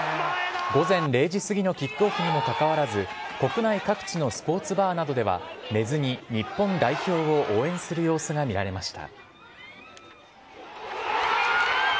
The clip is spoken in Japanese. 午前０時過ぎのキックオフにもかかわらず、国内各地のスポーツバーなどでは、寝ずに日本代表を応援する様子が見られました。